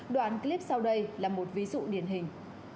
đoạn clip sau đây là một ví dụ điển hình